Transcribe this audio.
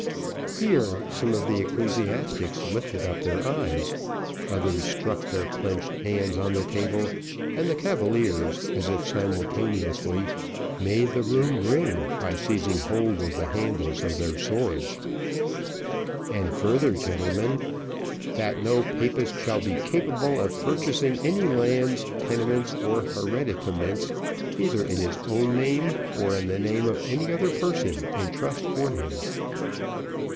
'" Here, some of the ecclesiastics lifted up their eyes, others struck their clenched hands on the table, and the cavaliers, as if simultaneously, made the room ring, by seizing hold of the handles of their swords. "And further, gentlemen, 'that no Papist shall be capable of purchasing any lands, tenements, or hereditaments, either in his own name, or in the name of any other person in trust for him.'"